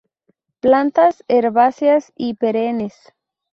Plantas herbáceas y perennes.